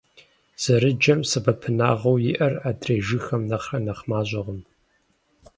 Зэрыджэм сэбэпынагъыу иӀэр адрей жыгхэм нэхърэ нэхъ мащӀэкъым.